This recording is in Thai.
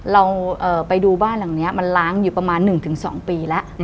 เราไปดูบ้านหลังนี้มันล้างอยู่ประมาณ๑๒ปีแล้ว